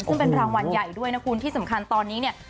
ซึ่งเป็นรางวัลใหญ่ด้วยนะคุณที่สำคัญตอนนี้เนี่ย